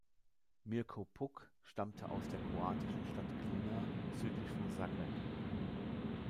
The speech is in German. Mirko Puk stammte aus der kroatischen Stadt Glina südlich von Zagreb.